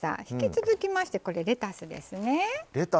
引き続きましてレタスですね。